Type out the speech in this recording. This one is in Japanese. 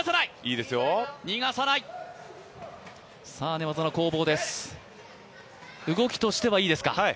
寝技の攻防です、動きとしてはいいですか？